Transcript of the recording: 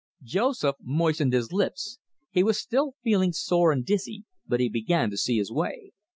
Joseph moistened his lips. He was still feeling sore and dizzy, but he began to see his way.